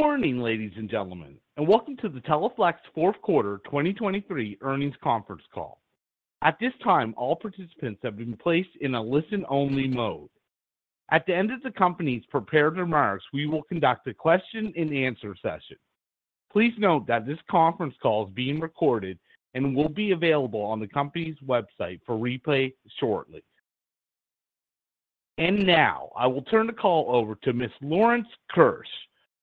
Good morning, ladies and gentlemen, and welcome to the Teleflex fourth quarter 2023 earnings conference call. At this time, all participants have been placed in a listen-only mode. At the end of the company's prepared remarks, we will conduct a question-and-answer session. Please note that this conference call is being recorded and will be available on the company's website for replay shortly. Now I will turn the call over to Mr. Lawrence Keusch,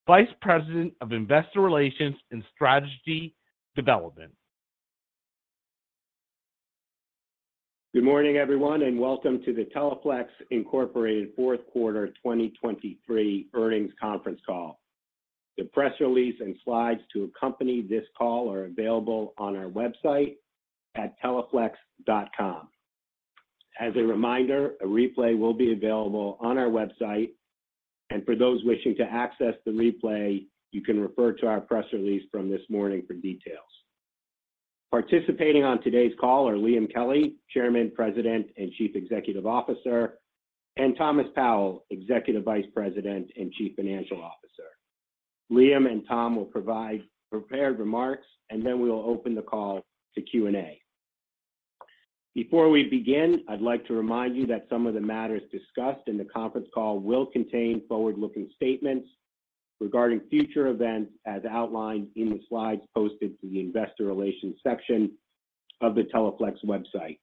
Vice President of Investor Relations and Strategy Development. Good morning, everyone, and welcome to the Teleflex Incorporated fourth quarter 2023 earnings conference call. The press release and slides to accompany this call are available on our website at teleflex.com. As a reminder, a replay will be available on our website, and for those wishing to access the replay, you can refer to our press release from this morning for details. Participating on today's call are Liam Kelly, Chairman, President, and Chief Executive Officer, and Thomas Powell, Executive Vice President and Chief Financial Officer. Liam and Tom will provide prepared remarks, and then we will open the call to Q&A. Before we begin, I'd like to remind you that some of the matters discussed in the conference call will contain forward-looking statements regarding future events as outlined in the slides posted to the Investor Relations section of the Teleflex website.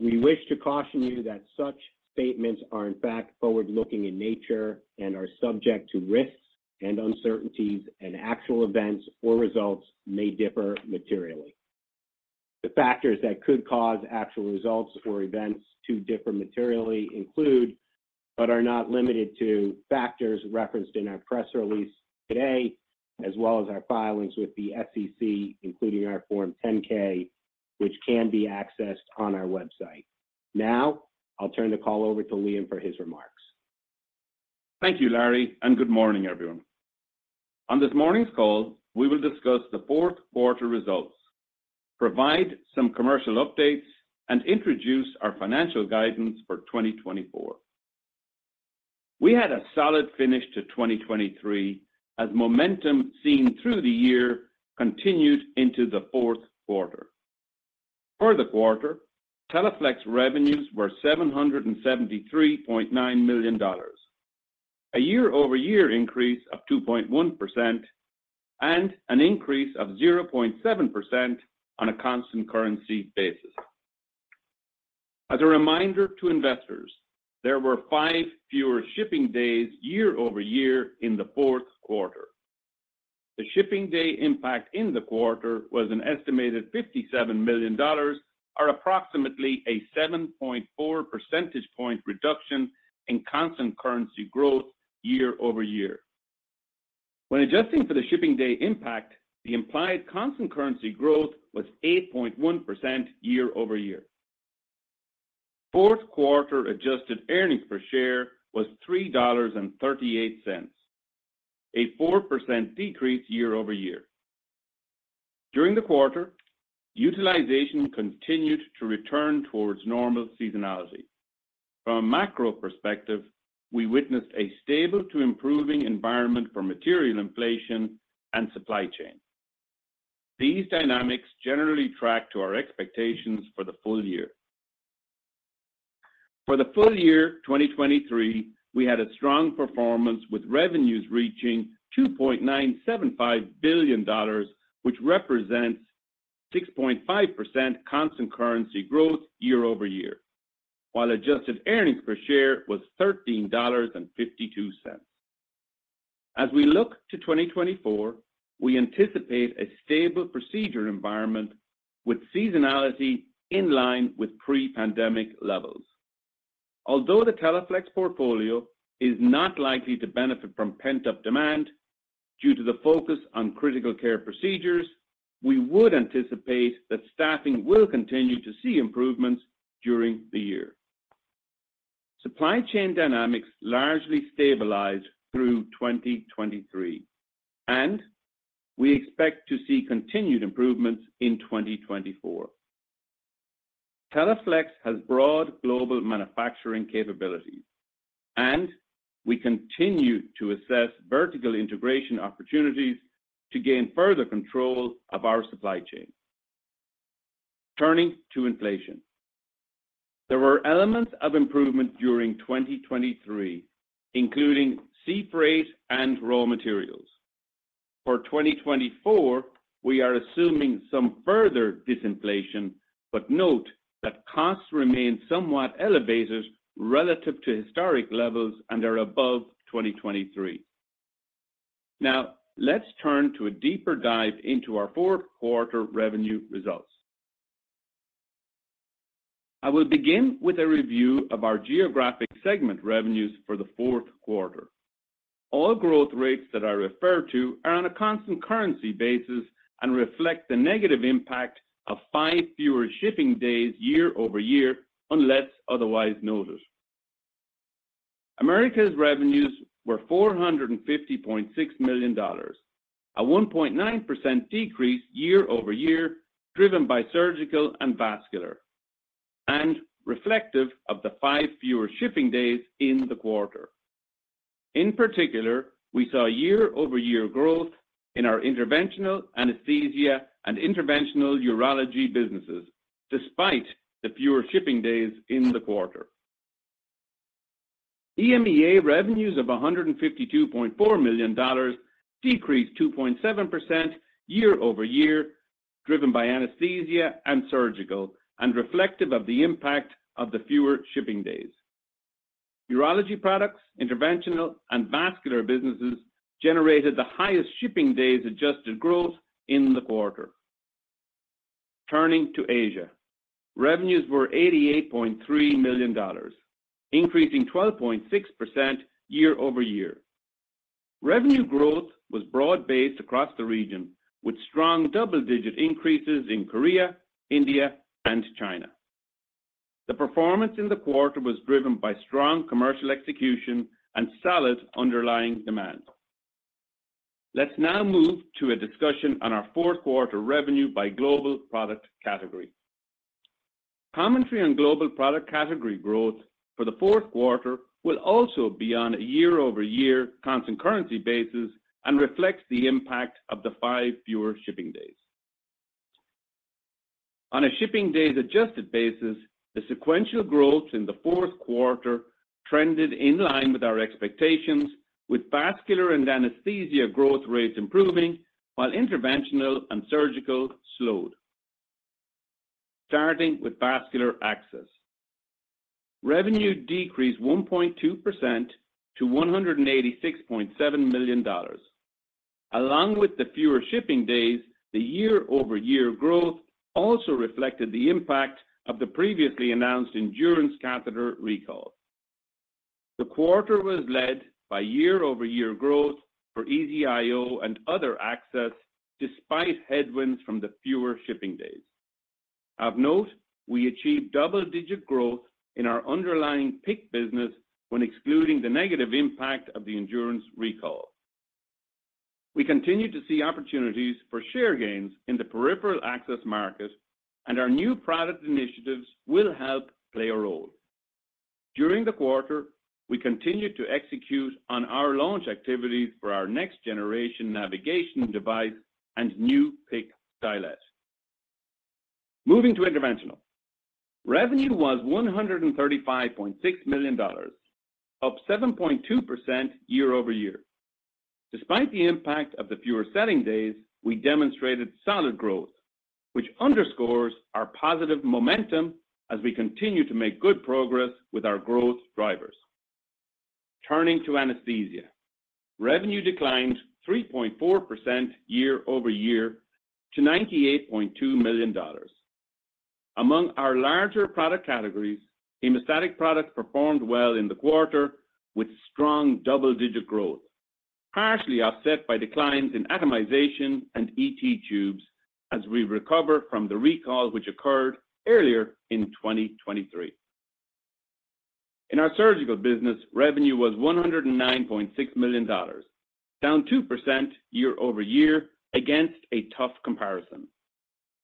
We wish to caution you that such statements are, in fact, forward-looking in nature and are subject to risks and uncertainties, and actual events or results may differ materially. The factors that could cause actual results or events to differ materially include but are not limited to factors referenced in our press release today, as well as our filings with the SEC, including our Form 10-K, which can be accessed on our website. Now I'll turn the call over to Liam for his remarks. Thank you, Larry, and good morning, everyone. On this morning's call, we will discuss the fourth quarter results, provide some commercial updates, and introduce our financial guidance for 2024. We had a solid finish to 2023 as momentum seen through the year continued into the fourth quarter. For the quarter, Teleflex revenues were $773.9 million, a year-over-year increase of 2.1%, and an increase of 0.7% on a constant currency basis. As a reminder to investors, there were five fewer shipping days year-over-year in the fourth quarter. The shipping day impact in the quarter was an estimated $57 million, or approximately a 7.4 percentage point reduction in constant currency growth year-over-year. When adjusting for the shipping day impact, the implied constant currency growth was 8.1% year-over-year. Fourth quarter adjusted earnings per share was $3.38, a 4% decrease year-over-year. During the quarter, utilization continued to return towards normal seasonality. From a macro perspective, we witnessed a stable to improving environment for material inflation and supply chain. These dynamics generally track to our expectations for the full year. For the full year 2023, we had a strong performance with revenues reaching $2.975 billion, which represents 6.5% constant currency growth year-over-year, while adjusted earnings per share was $13.52. As we look to 2024, we anticipate a stable procedure environment with seasonality in line with pre-pandemic levels. Although the Teleflex portfolio is not likely to benefit from pent-up demand due to the focus on critical care procedures, we would anticipate that staffing will continue to see improvements during the year. Supply chain dynamics largely stabilized through 2023, and we expect to see continued improvements in 2024. Teleflex has broad global manufacturing capabilities, and we continue to assess vertical integration opportunities to gain further control of our supply chain. Turning to inflation. There were elements of improvement during 2023, including seafreight and raw materials. For 2024, we are assuming some further disinflation, but note that costs remain somewhat elevated relative to historic levels and are above 2023. Now let's turn to a deeper dive into our fourth quarter revenue results. I will begin with a review of our geographic segment revenues for the fourth quarter. All growth rates that I refer to are on a constant currency basis and reflect the negative impact of five fewer shipping days year-over-year unless otherwise noted. Americas revenues were $450.6 million, a 1.9% decrease year-over-year driven by surgical and vascular, and reflective of the five fewer shipping days in the quarter. In particular, we saw year-over-year growth in our interventional anesthesia and interventional urology businesses despite the fewer shipping days in the quarter. EMEA revenues of $152.4 million decreased 2.7% year-over-year driven by anesthesia and surgical, and reflective of the impact of the fewer shipping days. Urology products, interventional, and vascular businesses generated the highest shipping days adjusted growth in the quarter. Turning to Asia. Revenues were $88.3 million, increasing 12.6% year-over-year. Revenue growth was broad-based across the region, with strong double-digit increases in Korea, India, and China. The performance in the quarter was driven by strong commercial execution and solid underlying demand. Let's now move to a discussion on our fourth quarter revenue by global product category. Commentary on global product category growth for the fourth quarter will also be on a year-over-year constant currency basis and reflects the impact of the five fewer shipping days. On a shipping days adjusted basis, the sequential growth in the fourth quarter trended in line with our expectations, with vascular and anesthesia growth rates improving while interventional and surgical slowed. Starting with vascular access. Revenue decreased 1.2% to $186.7 million. Along with the fewer shipping days, the year-over-year growth also reflected the impact of the previously announced Endurance catheter recall. The quarter was led by year-over-year growth for EZ-IO and other access despite headwinds from the fewer shipping days. Of note, we achieved double-digit growth in our underlying PICC business when excluding the negative impact of the Endurance recall. We continue to see opportunities for share gains in the peripheral access market, and our new product initiatives will help play a role. During the quarter, we continue to execute on our launch activities for our next-generation navigation device and new PICC stylet. Moving to interventional. Revenue was $135.6 million, up 7.2% year-over-year. Despite the impact of the fewer selling days, we demonstrated solid growth, which underscores our positive momentum as we continue to make good progress with our growth drivers. Turning to anesthesia. Revenue declined 3.4% year-over-year to $98.2 million. Among our larger product categories, hemostatic products performed well in the quarter with strong double-digit growth, partially offset by declines in atomization and ET tubes as we recover from the recall which occurred earlier in 2023. In our surgical business, revenue was $109.6 million, down 2% year-over-year against a tough comparison.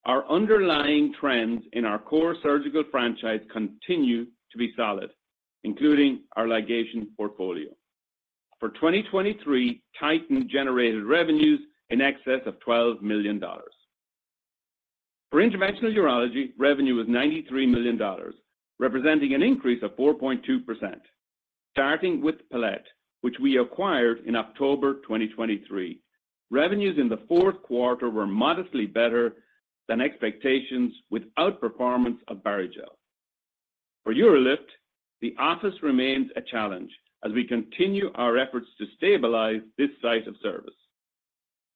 Our underlying trends in our core surgical franchise continue to be solid, including our ligation portfolio. For 2023, Titan generated revenues in excess of $12 million. For interventional urology, revenue was $93 million, representing an increase of 4.2%. Starting with Palette, which we acquired in October 2023, revenues in the fourth quarter were modestly better than expectations without performance of Barrigel. For UroLift, the office remains a challenge as we continue our efforts to stabilize this site of service.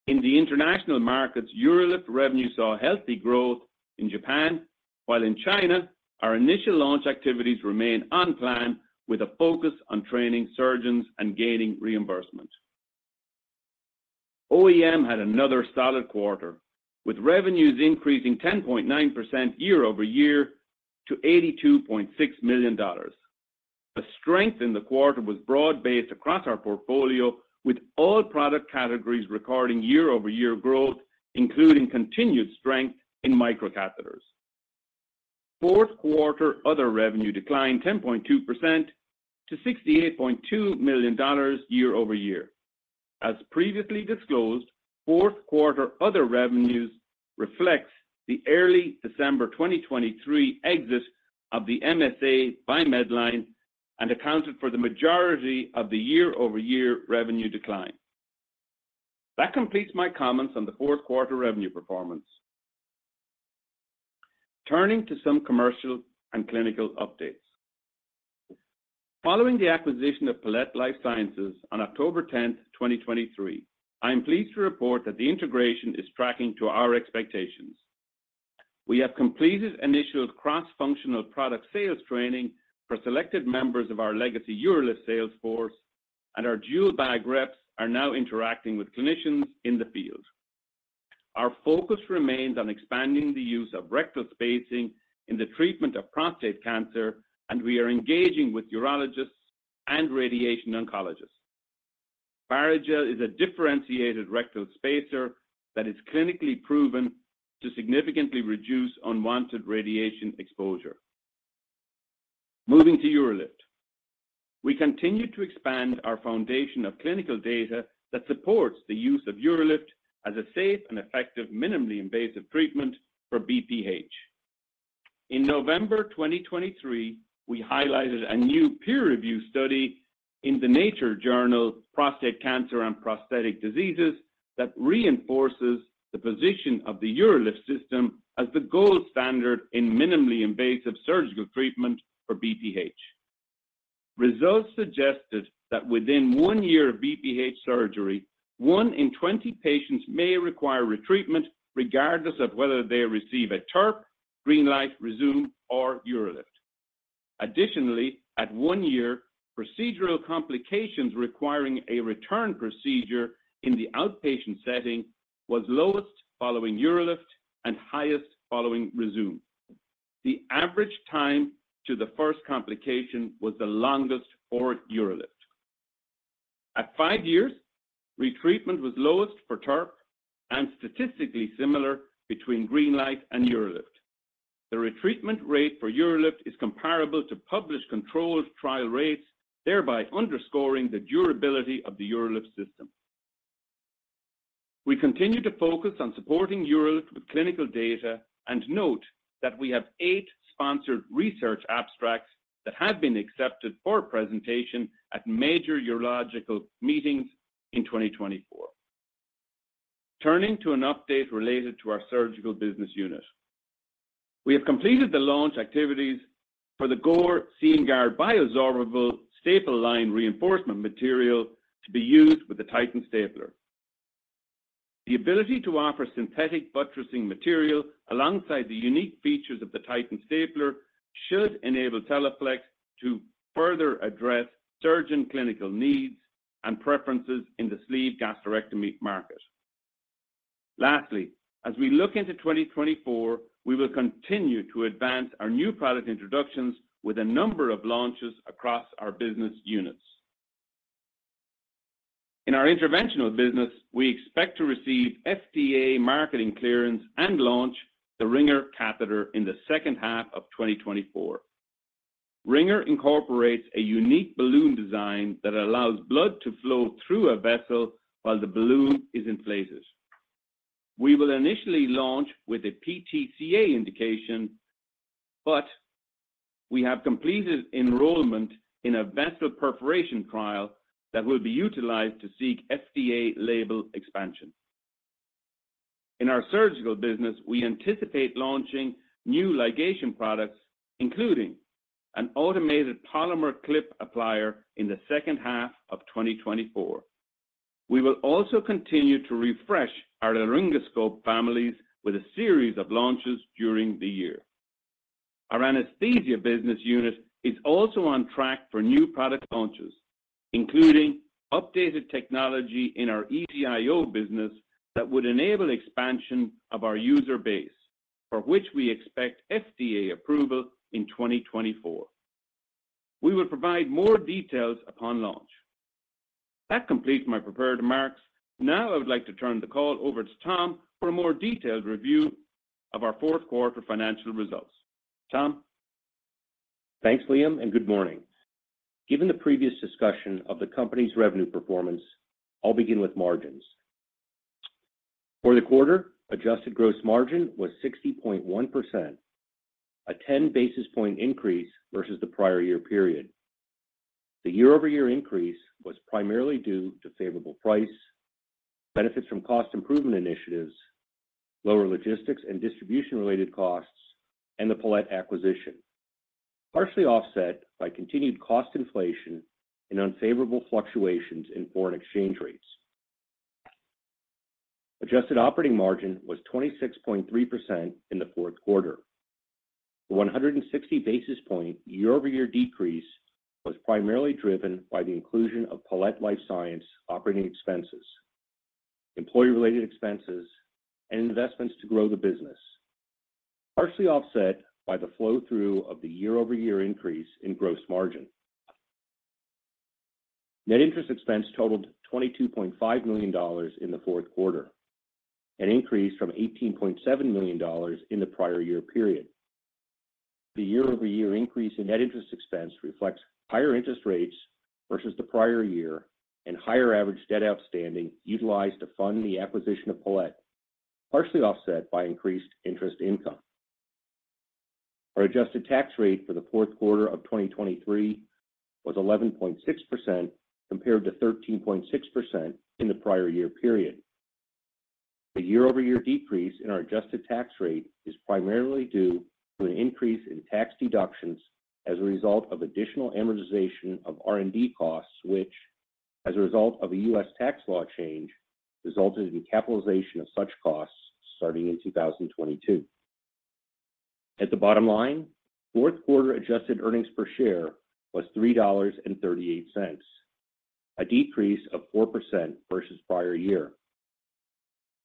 In the international markets, UroLift revenue saw healthy growth in Japan, while in China, our initial launch activities remain on plan with a focus on training surgeons and gaining reimbursement. OEM had another solid quarter, with revenues increasing 10.9% year-over-year to $82.6 million. A strength in the quarter was broad-based across our portfolio, with all product categories recording year-over-year growth, including continued strength in microcatheters. Fourth quarter other revenue declined 10.2% to $68.2 million year-over-year. As previously disclosed, fourth quarter other revenues reflects the early December 2023 exit of the MSA by Medline and accounted for the majority of the year-over-year revenue decline. That completes my comments on the fourth quarter revenue performance. Turning to some commercial and clinical updates. Following the acquisition of Palette Life Sciences on October 10th, 2023, I am pleased to report that the integration is tracking to our expectations. We have completed initial cross-functional product sales training for selected members of our legacy UroLift sales force, and our dual bag reps are now interacting with clinicians in the field. Our focus remains on expanding the use of rectal spacing in the treatment of prostate cancer, and we are engaging with urologists and radiation oncologists. Barrigel is a differentiated rectal spacer that is clinically proven to significantly reduce unwanted radiation exposure. Moving to UroLift. We continue to expand our foundation of clinical data that supports the use of UroLift as a safe and effective minimally invasive treatment for BPH. In November 2023, we highlighted a new peer-reviewed study in the Nature journal Prostate Cancer and Prostatic Diseases that reinforces the position of the UroLift system as the gold standard in minimally invasive surgical treatment for BPH. Results suggested that within one year of BPH surgery, one in 20 patients may require retreatment regardless of whether they receive a TURP, GreenLight Rezūm, or UroLift. Additionally, at one year, procedural complications requiring a return procedure in the outpatient setting were lowest following UroLift and highest following Rezūm. The average time to the first complication was the longest for UroLift. At five years, retreatment was lowest for TURP and statistically similar between GreenLight and UroLift. The retreatment rate for UroLift is comparable to published controlled trial rates, thereby underscoring the durability of the UroLift system. We continue to focus on supporting UroLift with clinical data and note that we have eight sponsored research abstracts that have been accepted for presentation at major urological meetings in 2024. Turning to an update related to our surgical business unit. We have completed the launch activities for the Gore Seamguard Bioabsorbable Staple Line reinforcement material to be used with the Titan stapler. The ability to offer synthetic buttressing material alongside the unique features of the Titan stapler should enable Teleflex to further address surgeon clinical needs and preferences in the sleeve gastrectomy market. Lastly, as we look into 2024, we will continue to advance our new product introductions with a number of launches across our business units. In our interventional business, we expect to receive FDA marketing clearance and launch the Ringer catheter in the second half of 2024. Ringer incorporates a unique balloon design that allows blood to flow through a vessel while the balloon is inflated. We will initially launch with a PTCA indication, but we have completed enrollment in a vessel perforation trial that will be utilized to seek FDA-label expansion. In our surgical business, we anticipate launching new ligation products, including an automated polymer clip applier, in the second half of 2024. We will also continue to refresh our laryngoscope families with a series of launches during the year. Our anesthesia business unit is also on track for new product launches, including updated technology in our EZ-IO business that would enable expansion of our user base, for which we expect FDA approval in 2024. We will provide more details upon launch. That completes my prepared remarks. Now I would like to turn the call over to Tom for a more detailed review of our fourth quarter financial results. Tom. Thanks, Liam, and good morning. Given the previous discussion of the company's revenue performance, I'll begin with margins. For the quarter, adjusted gross margin was 60.1%, a 10 basis point increase versus the prior year period. The year-over-year increase was primarily due to favorable price, benefits from cost improvement initiatives, lower logistics and distribution-related costs, and the Palette acquisition, partially offset by continued cost inflation and unfavorable fluctuations in foreign exchange rates. Adjusted operating margin was 26.3% in the fourth quarter. The 160 basis point year-over-year decrease was primarily driven by the inclusion of Palette Life Sciences operating expenses, employee-related expenses, and investments to grow the business, partially offset by the flow-through of the year-over-year increase in gross margin. Net interest expense totaled $22.5 million in the fourth quarter, an increase from $18.7 million in the prior year period. The year-over-year increase in net interest expense reflects higher interest rates versus the prior year and higher average debt outstanding utilized to fund the acquisition of Palette, partially offset by increased interest income. Our adjusted tax rate for the fourth quarter of 2023 was 11.6% compared to 13.6% in the prior year period. The year-over-year decrease in our adjusted tax rate is primarily due to an increase in tax deductions as a result of additional amortization of R&D costs, which, as a result of a U.S. tax law change, resulted in capitalization of such costs starting in 2022. At the bottom line, fourth quarter adjusted earnings per share was $3.38, a decrease of 4% versus prior year.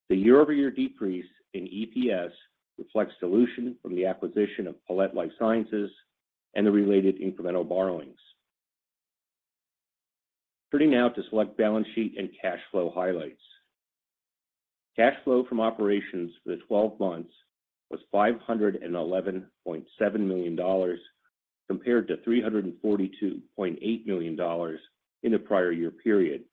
The year-over-year decrease in EPS reflects dilution from the acquisition of Palette Life Sciences and the related incremental borrowings. Turning now to select balance sheet and cash flow highlights. Cash flow from operations for the 12 months was $511.7 million compared to $342.8 million in the prior year period.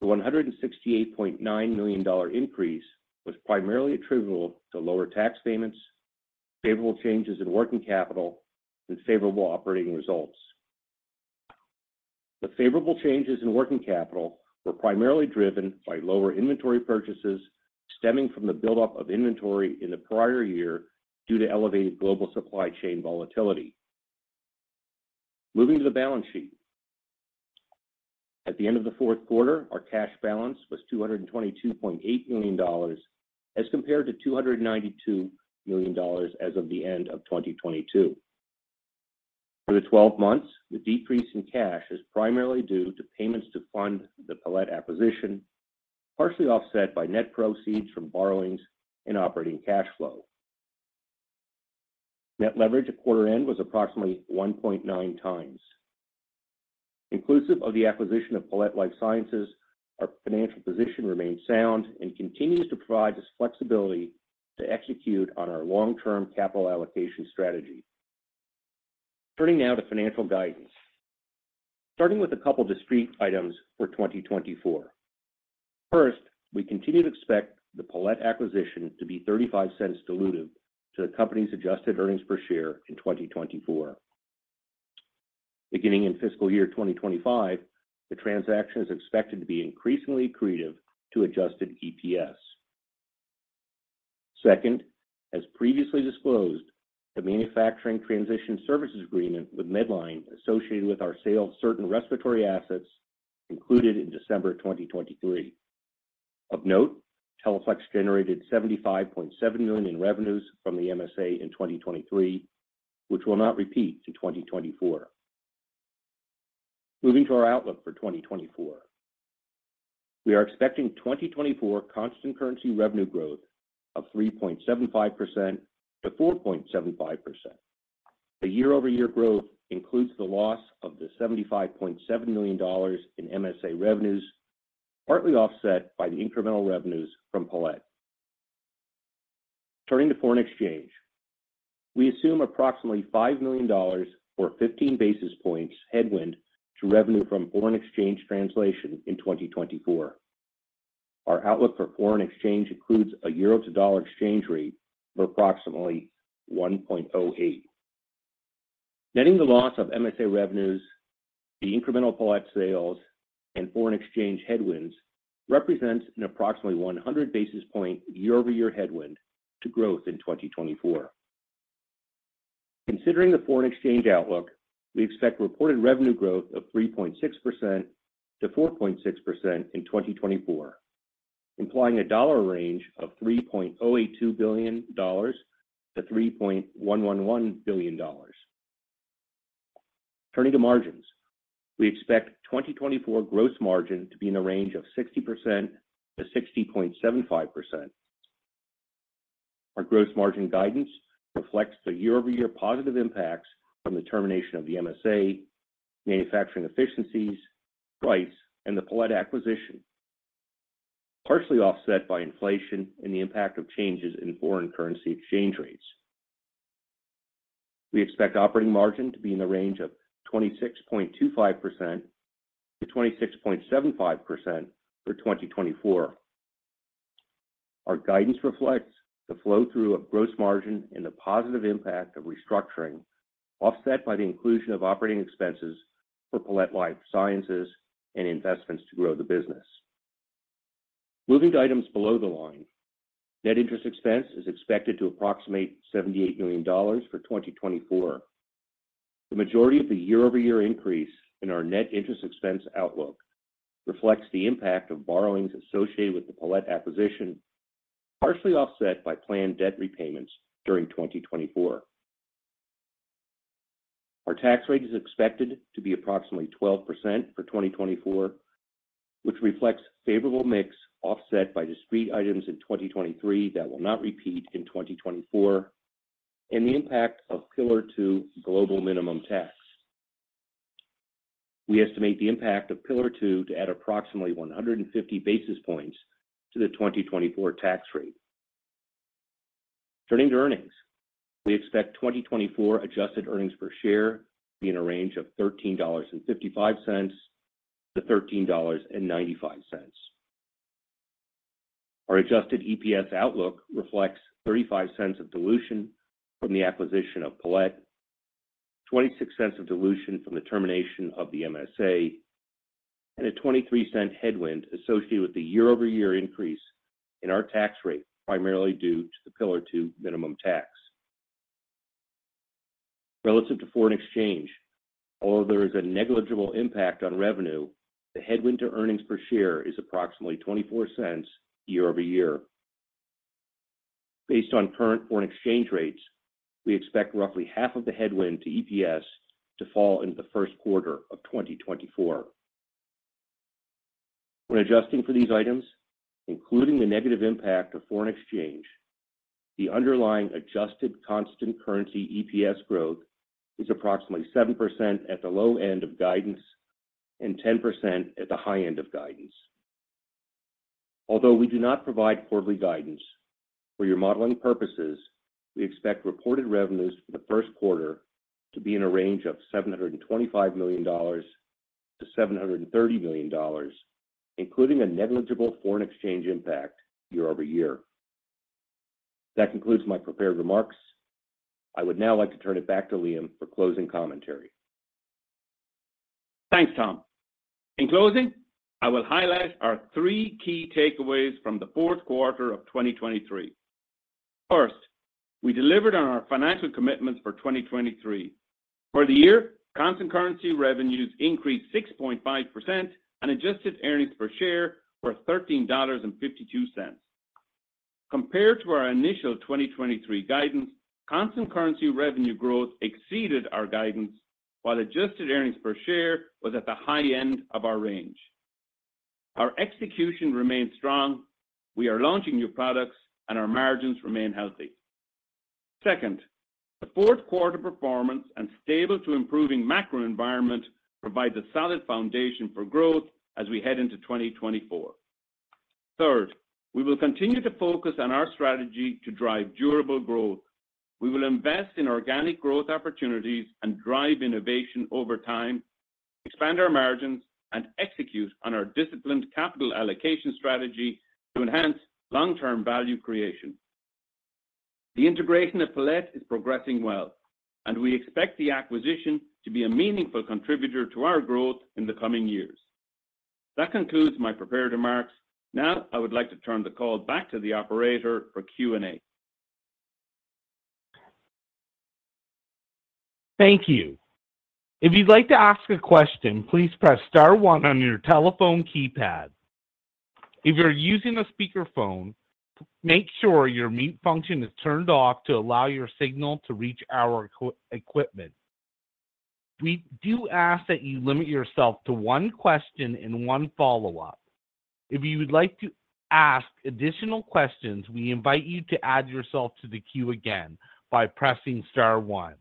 The $168.9 million increase was primarily attributable to lower tax payments, favorable changes in working capital, and favorable operating results. The favorable changes in working capital were primarily driven by lower inventory purchases stemming from the buildup of inventory in the prior year due to elevated global supply chain volatility. Moving to the balance sheet. At the end of the fourth quarter, our cash balance was $222.8 million as compared to $292 million as of the end of 2022. For the 12 months, the decrease in cash is primarily due to payments to fund the Palette acquisition, partially offset by net proceeds from borrowings and operating cash flow. Net leverage at quarter end was approximately 1.9 times. Inclusive of the acquisition of Palette Life Sciences, our financial position remains sound and continues to provide us flexibility to execute on our long-term capital allocation strategy. Turning now to financial guidance. Starting with a couple of discrete items for 2024. First, we continue to expect the Palette acquisition to be $0.35 diluted to the company's adjusted earnings per share in 2024. Beginning in fiscal year 2025, the transaction is expected to be increasingly accretive to adjusted EPS. Second, as previously disclosed, the manufacturing transition services agreement with Medline associated with our sale of certain respiratory assets concluded in December 2023. Of note, Teleflex generated $75.7 million in revenues from the MSA in 2023, which will not repeat in 2024. Moving to our outlook for 2024. We are expecting 2024 constant currency revenue growth of 3.75%-4.75%. The year-over-year growth includes the loss of the $75.7 million in MSA revenues, partly offset by the incremental revenues from Palette. Turning to foreign exchange. We assume approximately $5 million or 15 basis points headwind to revenue from foreign exchange translation in 2024. Our outlook for foreign exchange includes a euro to dollar exchange rate of approximately 1.08. Netting the loss of MSA revenues, the incremental Palette sales, and foreign exchange headwinds represents an approximately 100 basis point year-over-year headwind to growth in 2024. Considering the foreign exchange outlook, we expect reported revenue growth of 3.6%-4.6% in 2024, implying a dollar range of $3.082 billion-$3.111 billion. Turning to margins. We expect 2024 gross margin to be in the range of 60%-60.75%. Our gross margin guidance reflects the year-over-year positive impacts from the termination of the MSA, manufacturing efficiencies, price, and the Palette acquisition, partially offset by inflation and the impact of changes in foreign currency exchange rates. We expect operating margin to be in the range of 26.25%-26.75% for 2024. Our guidance reflects the flow-through of gross margin and the positive impact of restructuring, offset by the inclusion of operating expenses for Palette Life Sciences and investments to grow the business. Moving to items below the line. Net interest expense is expected to approximate $78 million for 2024. The majority of the year-over-year increase in our net interest expense outlook reflects the impact of borrowings associated with the Palette acquisition, partially offset by planned debt repayments during 2024. Our tax rate is expected to be approximately 12% for 2024, which reflects favorable mix offset by discrete items in 2023 that will not repeat in 2024, and the impact of Pillar 2 global minimum tax. We estimate the impact of Pillar 2 to add approximately 150 basis points to the 2024 tax rate. Turning to earnings. We expect 2024 adjusted earnings per share to be in the range of $13.55-$13.95. Our adjusted EPS outlook reflects $0.35 of dilution from the acquisition of Palette, $0.26 of dilution from the termination of the MSA, and a $0.23 headwind associated with the year-over-year increase in our tax rate, primarily due to the Pillar 2 minimum tax. Relative to foreign exchange, although there is a negligible impact on revenue, the headwind to earnings per share is approximately $0.24 year-over-year. Based on current foreign exchange rates, we expect roughly half of the headwind to EPS to fall into the first quarter of 2024. When adjusting for these items, including the negative impact of foreign exchange, the underlying adjusted constant currency EPS growth is approximately 7% at the low end of guidance and 10% at the high end of guidance. Although we do not provide quarterly guidance, for your modeling purposes, we expect reported revenues for the first quarter to be in the range of $725 million-$730 million, including a negligible foreign exchange impact year-over-year. That concludes my prepared remarks. I would now like to turn it back to Liam for closing commentary. Thanks, Tom. In closing, I will highlight our three key takeaways from the fourth quarter of 2023. First, we delivered on our financial commitments for 2023. For the year, constant currency revenues increased 6.5% and adjusted earnings per share were $13.52. Compared to our initial 2023 guidance, constant currency revenue growth exceeded our guidance, while adjusted earnings per share was at the high end of our range. Our execution remains strong. We are launching new products, and our margins remain healthy. Second, the fourth quarter performance and stable-to-improving macro environment provide the solid foundation for growth as we head into 2024. Third, we will continue to focus on our strategy to drive durable growth. We will invest in organic growth opportunities and drive innovation over time, expand our margins, and execute on our disciplined capital allocation strategy to enhance long-term value creation. The integration of Palette is progressing well, and we expect the acquisition to be a meaningful contributor to our growth in the coming years. That concludes my prepared remarks. Now I would like to turn the call back to the operator for Q&A. Thank you. If you'd like to ask a question, please press star one on your telephone keypad. If you're using a speakerphone, make sure your mute function is turned off to allow your signal to reach our equipment. We do ask that you limit yourself to one question and one follow-up. If you would like to ask additional questions, we invite you to add yourself to the queue again by pressing star 1.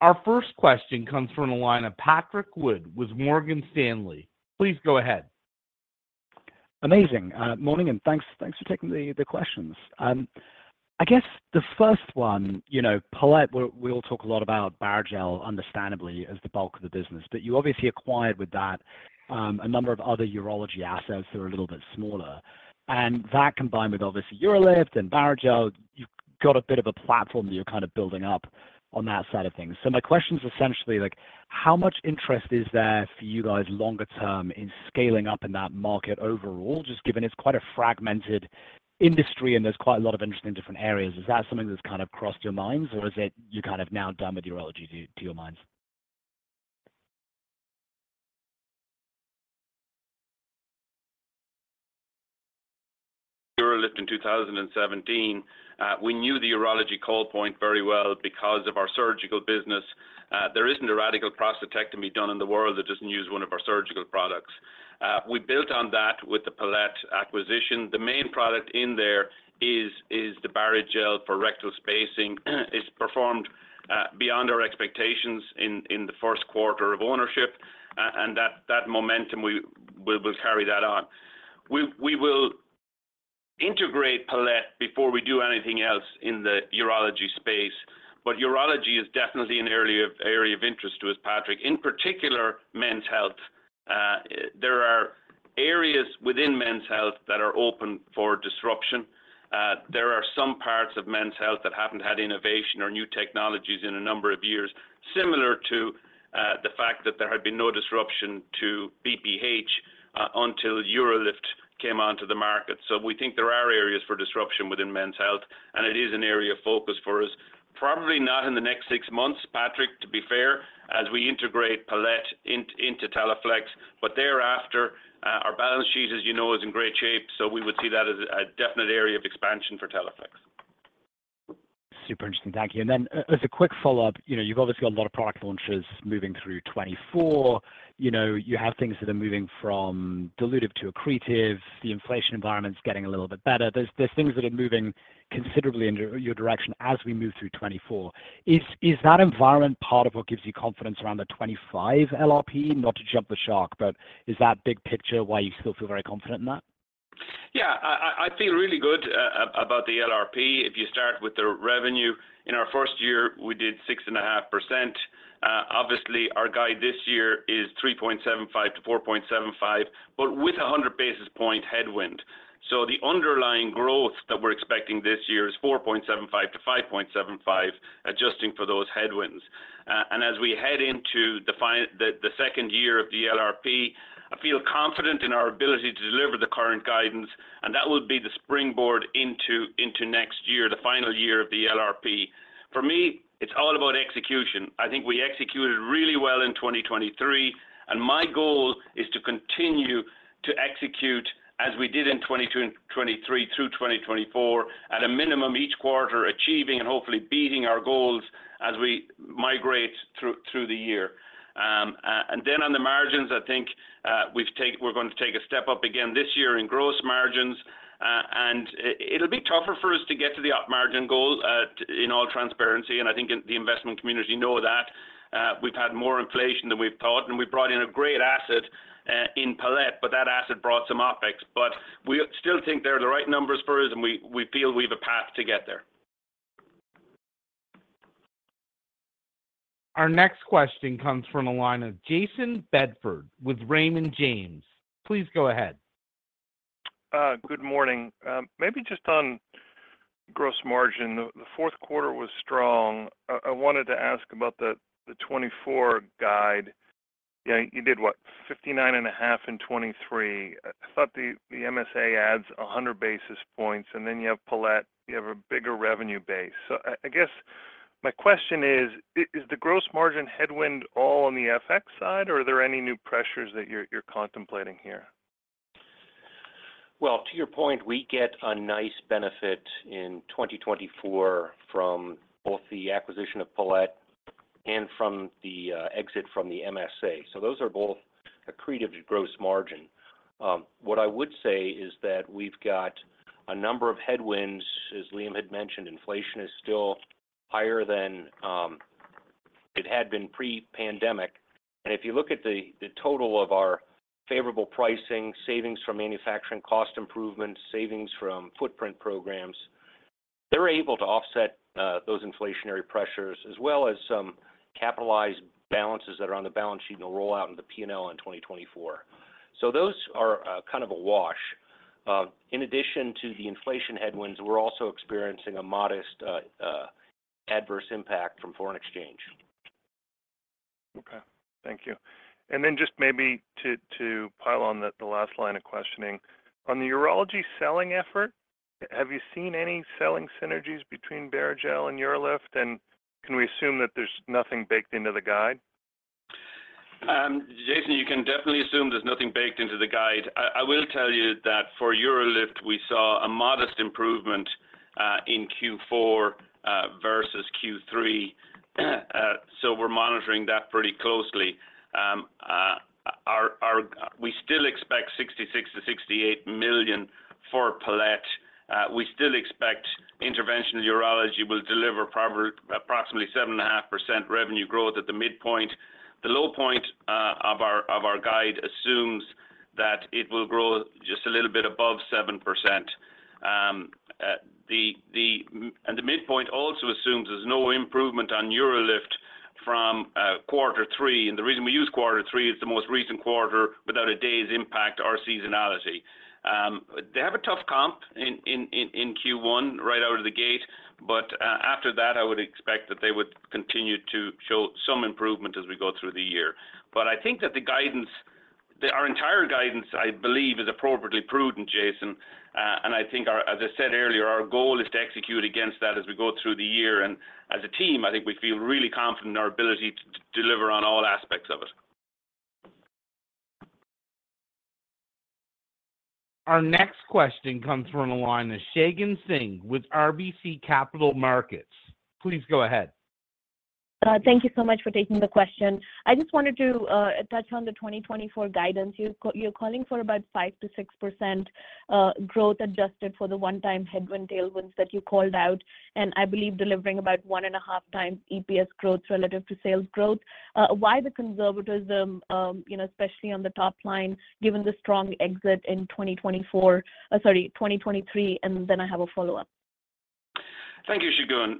Our first question comes from a line of Patrick Wood with Morgan Stanley. Please go ahead. Good morning, and thanks for taking the questions. I guess the first one, Palette, we all talk a lot about Barrigel, understandably, as the bulk of the business, but you obviously acquired with that a number of other urology assets that are a little bit smaller. And that combined with, obviously, UroLift and Barrigel, you've got a bit of a platform that you're kind of building up on that side of things. So my question's essentially like, how much interest is there for you guys longer term in scaling up in that market overall, just given it's quite a fragmented industry and there's quite a lot of interest in different areas? Is that something that's kind of crossed your minds, or is it you're kind of now done with urology to your minds? UroLift in 2017. We knew the urology call point very well because of our surgical business. There isn't a radical prostatectomy done in the world that doesn't use one of our surgical products. We built on that with the Palette acquisition. The main product in there is the Barrigel for rectal spacing. It's performed beyond our expectations in the first quarter of ownership, and that momentum, we'll carry that on. We will integrate Palette before we do anything else in the urology space, but urology is definitely an area of interest to us, Patrick. In particular, men's health. There are areas within men's health that are open for disruption. There are some parts of men's health that haven't had innovation or new technologies in a number of years, similar to the fact that there had been no disruption to BPH until UroLift came onto the market. So we think there are areas for disruption within men's health, and it is an area of focus for us, probably not in the next six months, Patrick, to be fair, as we integrate Palette into Teleflex. But thereafter, our balance sheet, as you know, is in great shape, so we would see that as a definite area of expansion for Teleflex. Super interesting. Thank you. Then as a quick follow-up, you've obviously got a lot of product launches moving through 2024. You have things that are moving from diluted to accretive. The inflation environment's getting a little bit better. There's things that are moving considerably in your direction as we move through 2024. Is that environment part of what gives you confidence around the 2025 LRP, not to jump the shark, but is that big PICCture why you still feel very confident in that? Yeah. I feel really good about the LRP. If you start with the revenue, in our first year, we did 6.5%. Obviously, our guide this year is 3.75%-4.75%, but with 100 basis point headwind. So the underlying growth that we're expecting this year is 4.75%-5.75%, adjusting for those headwinds. And as we head into the second year of the LRP, I feel confident in our ability to deliver the current guidance, and that will be the springboard into next year, the final year of the LRP. For me, it's all about execution. I think we executed really well in 2023, and my goal is to continue to execute as we did in 2023 through 2024, at a minimum, each quarter achieving and hopefully beating our goals as we migrate through the year. Then on the margins, I think we're going to take a step up again this year in gross margins, and it'll be tougher for us to get to the our margin goal, in all transparency, and I think the investment community know that. We've had more inflation than we've thought, and we brought in a great asset in Palette, but that asset brought some OpEx. But we still think they're the right numbers for us, and we feel we have a path to get there. Our next question comes from a line of Jayson Bedford with Raymond James. Please go ahead. Good morning. Maybe just on gross margin, the fourth quarter was strong. I wanted to ask about the 2024 guide. You did, what, 59.5% in 2023. I thought the MSA adds 100 basis points, and then you have Palette. You have a bigger revenue base. So I guess my question is, is the gross margin headwind all on the FX side, or are there any new pressures that you're contemplating here? Well, to your point, we get a nice benefit in 2024 from both the acquisition of Palette and from the exit from the MSA. So those are both accretive to gross margin. What I would say is that we've got a number of headwinds. As Liam had mentioned, inflation is still higher than it had been pre-pandemic. And if you look at the total of our favorable pricing, savings from manufacturing cost improvements, savings from footprint programs, they're able to offset those inflationary pressures as well as some capitalized balances that are on the balance sheet and will roll out into the P&L in 2024. So those are kind of a wash. In addition to the inflation headwinds, we're also experiencing a modest adverse impact from foreign exchange. Okay. Thank you. Then just maybe to pile on the last line of questioning, on the urology selling effort, have you seen any selling synergies between Barrigel and UroLift, and can we assume that there's nothing baked into the guide? Jason, you can definitely assume there's nothing baked into the guide. I will tell you that for UroLift, we saw a modest improvement in Q4 versus Q3, so we're monitoring that pretty closely. We still expect $66 million-$68 million for Palette. We still expect interventional urology will deliver approximately 7.5% revenue growth at the midpoint. The low point of our guide assumes that it will grow just a little bit above 7%. The midpoint also assumes there's no improvement on UroLift from quarter three. The reason we use quarter three is the most recent quarter without a day's impact our seasonality. They have a tough comp in Q1 right out of the gate, but after that, I would expect that they would continue to show some improvement as we go through the year. But I think that the guidance, our entire guidance, I believe, is appropriately prudent, Jason. I think, as I said earlier, our goal is to execute against that as we go through the year. As a team, I think we feel really confident in our ability to deliver on all aspects of it. Our next question comes from a line of Shagun Singh with RBC Capital Markets. Please go ahead. Thank you so much for taking the question. I just wanted to touch on the 2024 guidance. You're calling for about 5%-6% growth adjusted for the one-time headwind tailwinds that you called out, and I believe delivering about 1.5 times EPS growth relative to sales growth. Why the conservatism, especially on the top line, given the strong exit in 2024 sorry, 2023, and then I have a follow-up. Thank you, Shagun.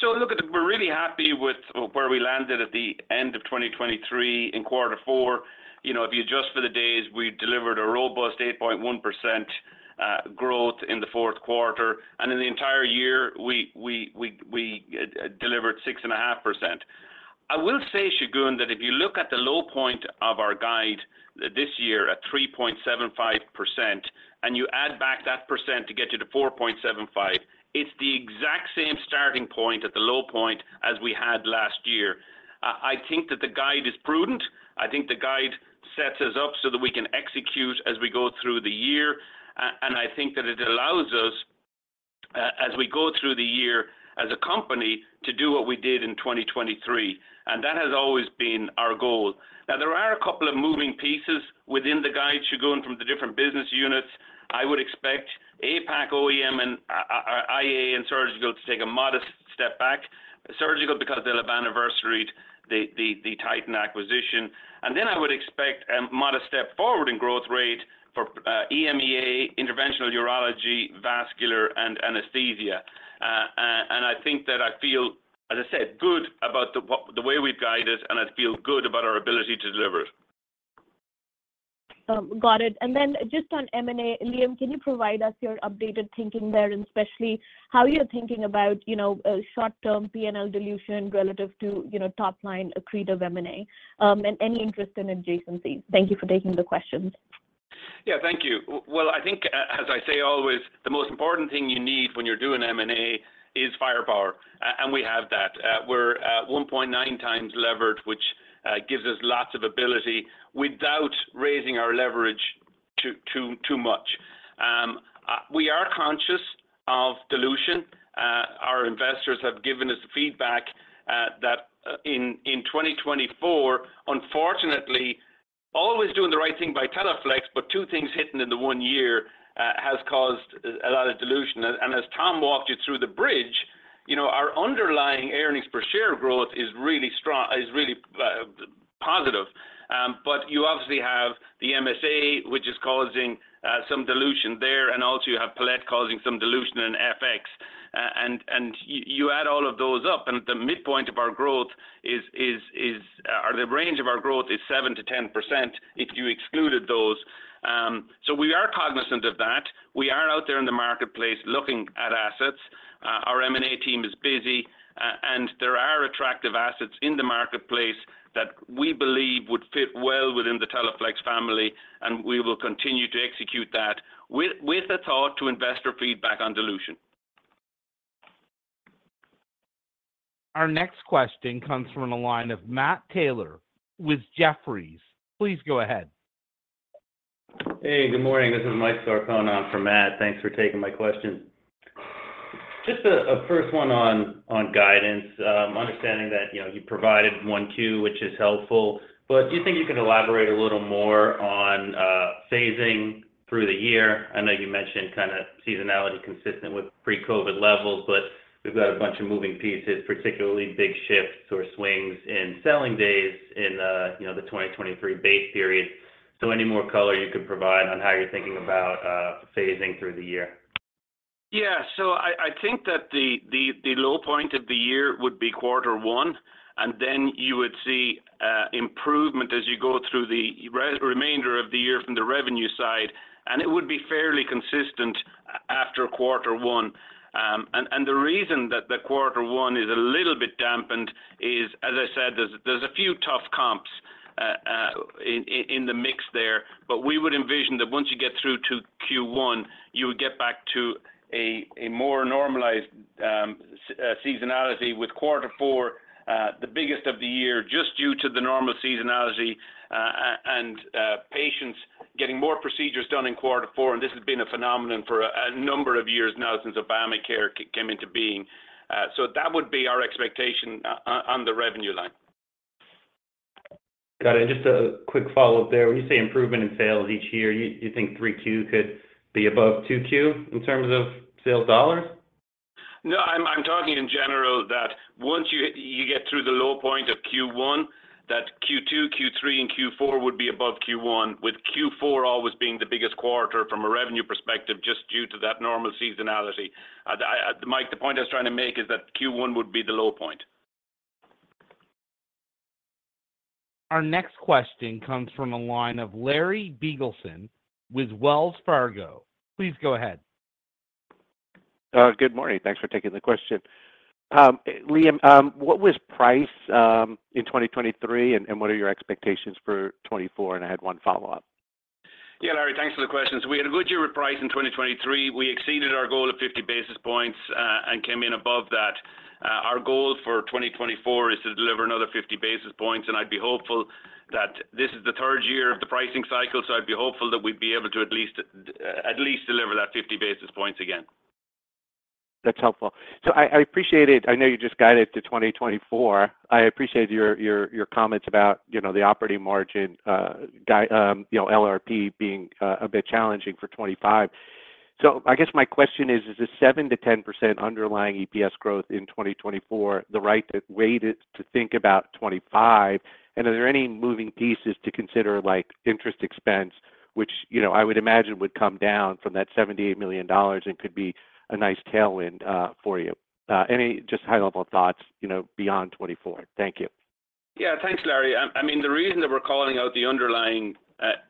So look, we're really happy with where we landed at the end of 2023 in quarter four. If you adjust for the days, we delivered a robust 8.1% growth in the fourth quarter, and in the entire year, we delivered 6.5%. I will say, Shagun, that if you look at the low point of our guide this year at 3.75% and you add back that percent to get you to 4.75%, it's the exact same starting point at the low point as we had last year. I think that the guide is prudent. I think the guide sets us up so that we can execute as we go through the year, and I think that it allows us, as we go through the year as a company, to do what we did in 2023, and that has always been our goal. Now, there are a couple of moving pieces within the guide, Shagun, from the different business units. I would expect APAC, OEM, and IA and surgical to take a modest step back, surgical because they'll have anniversaried, the Titan acquisition. And then I would expect a modest step forward in growth rate for EMEA, interventional urology, vascular, and anesthesia. And I think that I feel, as I said, good about the way we've guided us, and I feel good about our ability to deliver it. Got it. Then just on M&A, Liam, can you provide us your updated thinking there, and especially how you're thinking about short-term P&L dilution relative to top-line accretive M&A and any interest in adjacencies? Thank you for taking the questions. Yeah, thank you. Well, I think, as I say always, the most important thing you need when you're doing M&A is firepower, and we have that. We're 1.9 times leveraged, which gives us lots of ability without raising our leverage too much. We are conscious of dilution. Our investors have given us feedback that in 2024, unfortunately, always doing the right thing by Teleflex, but two things hitting in the one year has caused a lot of dilution. And as Tom walked you through the bridge, our underlying earnings per share growth is really positive. But you obviously have the MSA, which is causing some dilution there, and also you have Palette causing some dilution in FX. And you add all of those up, and the midpoint of our growth is or the range of our growth is 7%-10% if you excluded those. So we are cognizant of that. We are out there in the marketplace looking at assets. Our M&A team is busy, and there are attractive assets in the marketplace that we believe would fit well within the Teleflex family, and we will continue to execute that with the thought to investor feedback on dilution. Our next question comes from a line of Matt Taylor with Jefferies. Please go ahead. Hey, good morning. This is Mike Sarcone from Matt. Thanks for taking my question. Just a first one on guidance, understanding that you provided Q1, which is helpful, but do you think you can elaborate a little more on phasing through the year? I know you mentioned kind of seasonality consistent with pre-COVID levels, but we've got a bunch of moving pieces, particularly big shifts or swings in selling days in the 2023 base period. So any more color you could provide on how you're thinking about phasing through the year? Yeah. So I think that the low point of the year would be quarter one, and then you would see improvement as you go through the remainder of the year from the revenue side, and it would be fairly consistent after quarter one. And the reason that quarter one is a little bit dampened is, as I said, there's a few tough comps in the mix there, but we would envision that once you get through to Q1, you would get back to a more normalized seasonality with quarter four, the biggest of the year, just due to the normal seasonality and patients getting more procedures done in quarter four. And this has been a phenomenon for a number of years now since Obamacare came into being. So that would be our expectation on the revenue line. Got it. Just a quick follow-up there. When you say improvement in sales each year, you think 3Q could be above 2Q in terms of sales dollars? No, I'm talking in general that once you get through the low point of Q1, that Q2, Q3, and Q4 would be above Q1, with Q4 always being the biggest quarter from a revenue perspective just due to that normal seasonality. Mike, the point I was trying to make is that Q1 would be the low point. Our next question comes from a line of Larry Biegelsen with Wells Fargo. Please go ahead. Good morning. Thanks for taking the question. Liam, what was price in 2023, and what are your expectations for 2024? I had one follow-up. Yeah, Larry, thanks for the questions. We had a good year with price in 2023. We exceeded our goal of 50 basis points and came in above that. Our goal for 2024 is to deliver another 50 basis points, and I'd be hopeful that this is the third year of the pricing cycle, so I'd be hopeful that we'd be able to at least deliver that 50 basis points again. That's helpful. So I appreciate it. I know you just guided to 2024. I appreciate your comments about the operating margin, LRP, being a bit challenging for 2025. So I guess my question is, is the 7%-10% underlying EPS growth in 2024 the right way to think about 2025? And are there any moving pieces to consider like interest expense, which I would imagine would come down from that $78 million and could be a nice tailwind for you? Any just high-level thoughts beyond 2024? Thank you. Yeah, thanks, Larry. I mean, the reason that we're calling out the underlying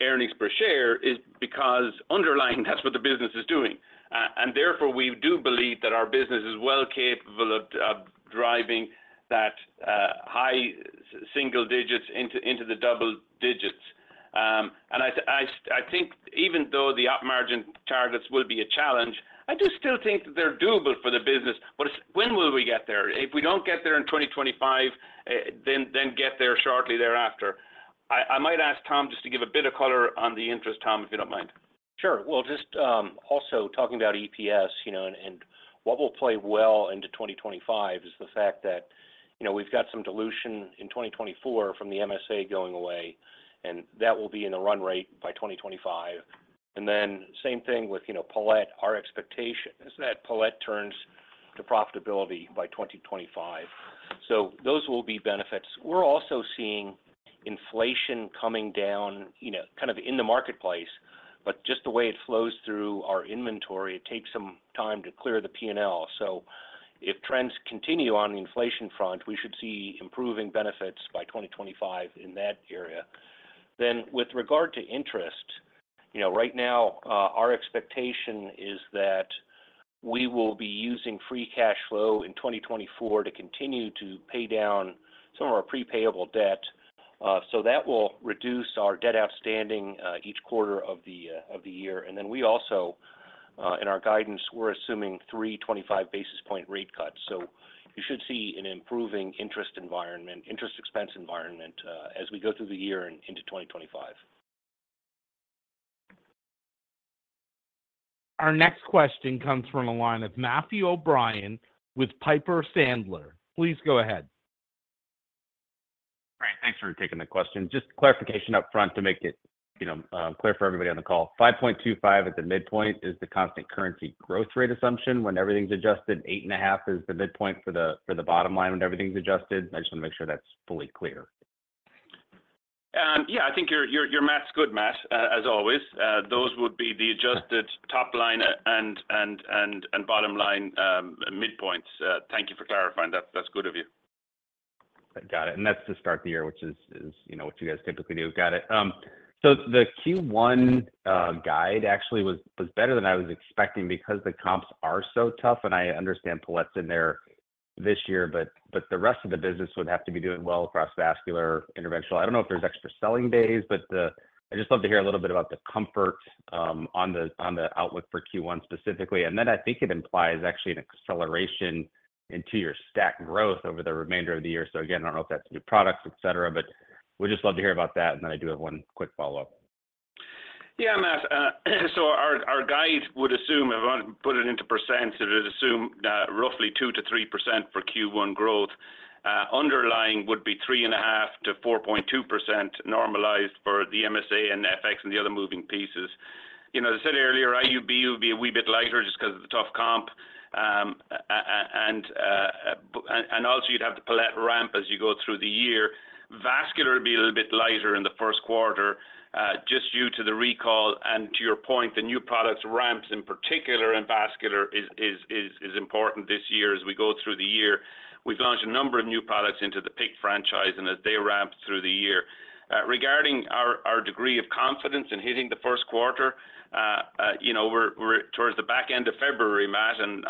earnings per share is because underlying, that's what the business is doing. And therefore, we do believe that our business is well capable of driving that high single digits into the double digits. And I think even though the operating margin targets will be a challenge, I do still think that they're doable for the business. But when will we get there? If we don't get there in 2025, then get there shortly thereafter. I might ask Tom just to give a bit of color on the interest, Tom, if you don't mind. Sure. Well, just also talking about EPS and what will play well into 2025 is the fact that we've got some dilution in 2024 from the MSA going away, and that will be in the run rate by 2025. And then same thing with Palette, our expectation is that Palette turns to profitability by 2025. So those will be benefits. We're also seeing inflation coming down kind of in the marketplace, but just the way it flows through our inventory, it takes some time to clear the P&L. So if trends continue on the inflation front, we should see improving benefits by 2025 in that area. Then with regard to interest, right now, our expectation is that we will be using free cash flow in 2024 to continue to pay down some of our prepayable debt. So that will reduce our debt outstanding each quarter of the year. And then we also, in our guidance, we're assuming 3 25-basis-point rate cuts. So you should see an improving interest expense environment as we go through the year and into 2025. Our next question comes from a line of Matthew O'Brien with Piper Sandler. Please go ahead. All right. Thanks for taking the question. Just clarification upfront to make it clear for everybody on the call. 5.25 at the midpoint is the constant currency growth rate assumption. When everything's adjusted, 8.5 is the midpoint for the bottom line when everything's adjusted. I just want to make sure that's fully clear. Yeah, I think your math's good, Matt, as always. Those would be the adjusted top line and bottom line midpoints. Thank you for clarifying. That's good of you. Got it. And that's to start the year, which is what you guys tyPICCally do. Got it. So the Q1 guide actually was better than I was expecting because the comps are so tough. And I understand Palette's in there this year, but the rest of the business would have to be doing well across vascular, interventional. I don't know if there's extra selling days, but I'd just love to hear a little bit about the comfort on the outlook for Q1 specifically. And then I think it implies actually an acceleration into your stack growth over the remainder of the year. So again, I don't know if that's new products, etc., but we'd just love to hear about that. And then I do have one quick follow-up. Yeah, Matt. So our guide would assume, if I put it into percents, it would assume roughly 2%-3% for Q1 growth. Underlying would be 3.5%-4.2% normalized for the MSA and FX and the other moving pieces. As I said earlier, IUB would be a wee bit lighter just because of the tough comp. And also, you'd have the Palette ramp as you go through the year. Vascular would be a little bit lighter in the first quarter just due to the recall. And to your point, the new products ramps in particular in vascular is important this year as we go through the year. We've launched a number of new products into the PICCC franchise, and as they ramp through the year. Regarding our degree of confidence in hitting the first quarter, we're towards the back end of February, Matt, and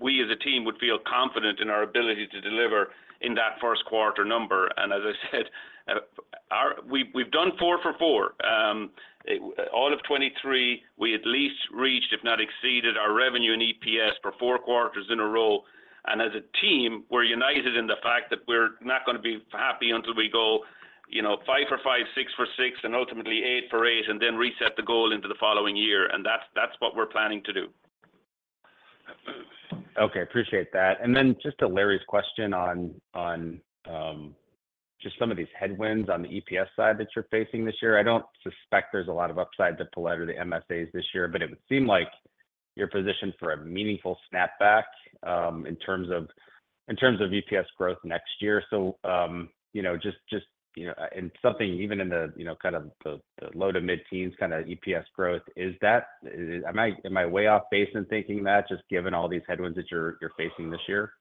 we as a team would feel confident in our ability to deliver in that first quarter number. And as I said, we've done four for four. All of 2023, we at least reached, if not exceeded, our revenue and EPS for four quarters in a row. And as a team, we're united in the fact that we're not going to be happy until we go five for five, six for six, and ultimately eight for eight, and then reset the goal into the following year. And that's what we're planning to do. Okay. Appreciate that. And then just to Larry's question on just some of these headwinds on the EPS side that you're facing this year, I don't suspect there's a lot of upside to Palette or the MSAs this year, but it would seem like you're positioned for a meaningful snapback in terms of EPS growth next year. So just in something even in the kind of the low to mid-teens kind of EPS growth, is that am I way off base in thinking that just given all these headwinds that you're facing this year?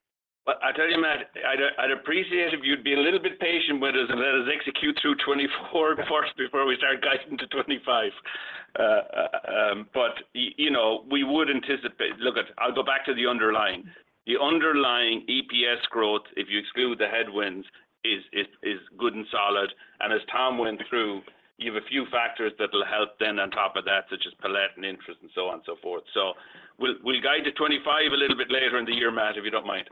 Well, I tell you, Matt, I'd appreciate if you'd be a little bit patient with us and let us execute through 2024 before we start guiding to 2025. But we would anticipate look at I'll go back to the underlying. The underlying EPS growth, if you exclude the headwinds, is good and solid. And as Tom went through, you have a few factors that'll help then on top of that, such as Palette and interest and so on and so forth. So we'll guide to 2025 a little bit later in the year, Matt, if you don't mind.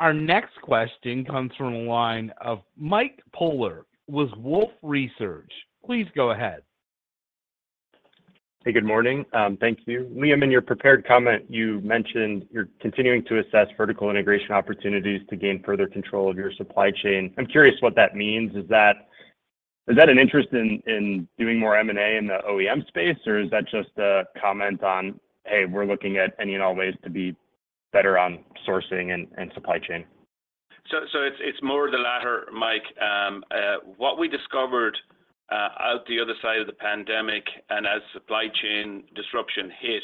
Our next question comes from a line of Mike Polark with Wolfe Research. Please go ahead. Hey, good morning. Thank you. Liam, in your prepared comment, you mentioned you're continuing to assess vertical integration opportunities to gain further control of your supply chain. I'm curious what that means. Is that an interest in doing more M&A in the OEM space, or is that just a comment on, "Hey, we're looking at any and all ways to be better on sourcing and supply chain"? So it's more the latter, Mike. What we discovered out the other side of the pandemic and as supply chain disruption hit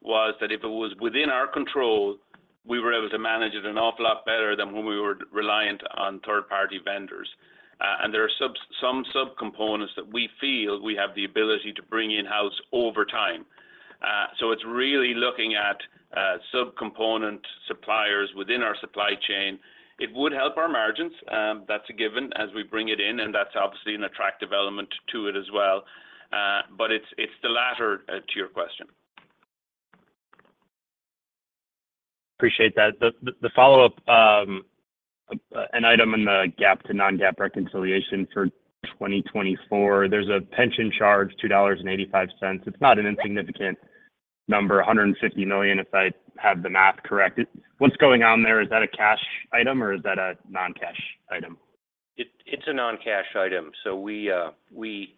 was that if it was within our control, we were able to manage it an awful lot better than when we were reliant on third-party vendors. And there are some subcomponents that we feel we have the ability to bring in-house over time. So it's really looking at subcomponent suppliers within our supply chain. It would help our margins. That's a given as we bring it in, and that's obviously an attractive element to it as well. But it's the latter to your question. Appreciate that. The follow-up, an item in the gap-to-non-GAAP reconciliation for 2024, there's a pension charge, $2.85. It's not an insignificant number, $150 million, if I have the math correct. What's going on there? Is that a cash item, or is that a non-cash item? It's a non-cash item. So essentially, we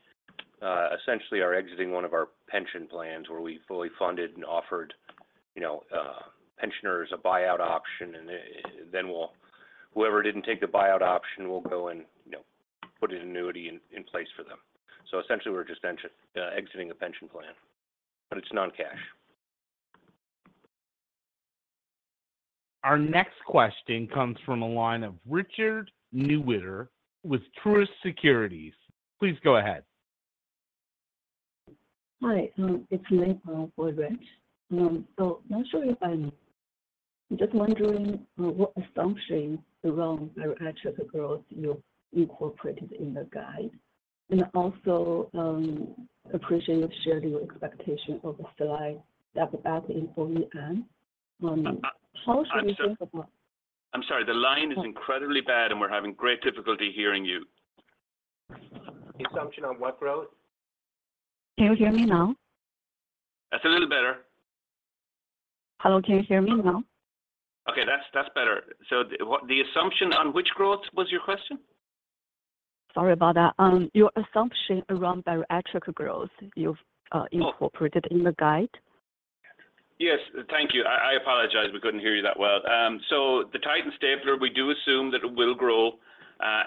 are exiting one of our pension plans where we fully funded and offered pensioners a buyout option, and then whoever didn't take the buyout option will go and put an annuity in place for them. So essentially, we're just exiting a pension plan, but it's non-cash. Our next question comes from a line of Richard Newitter with Truist Securities. Please go ahead. Hi. It's me, Samuel Brodovsky. So not sure if I'm just wondering what assumption around organic growth you incorporated in the guide. And I also appreciate you sharing your expectation of a slight step back in OEM. How should we think about? I'm sorry. The line is incredibly bad, and we're having great difficulty hearing you. Assumption on what growth? Can you hear me now? That's a little better. Hello. Can you hear me now? Okay. That's better. So the assumption on which growth was your question? Sorry about that. Your assumption around organic growth you've incorporated in the guidance? Yes. Thank you. I apologize. We couldn't hear you that well. So the Titan Stapler, we do assume that it will grow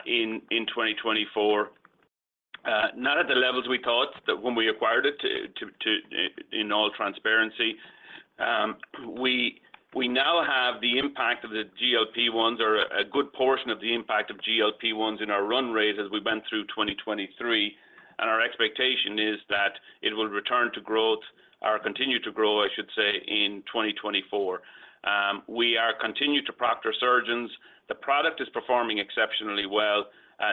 in 2024, not at the levels we thought when we acquired it, in all transparency. We now have the impact of the GLP-1s or a good portion of the impact of the GLP-1s in our run rate as we went through 2023. And our expectation is that it will return to growth or continue to grow, I should say, in 2024. We are continuing to proctor surgeons. The product is performing exceptionally well.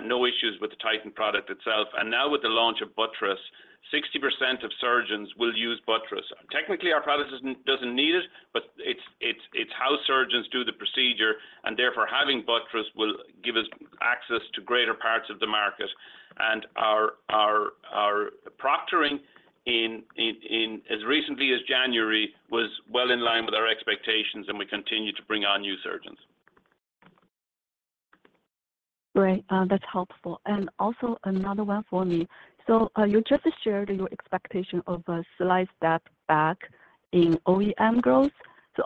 No issues with the Titan product itself. And now with the launch of buttress, 60% of surgeons will use buttress. Technically, our product doesn't need it, but it's how surgeons do the procedure, and therefore, having buttress will give us access to greater parts of the market. Our proctoring as recently as January was well in line with our expectations, and we continue to bring on new surgeons. Great. That's helpful. Also another one for me. You just shared your expectation of a slight step back in OEM growth.